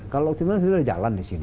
kalau tim ini sudah jalan di sini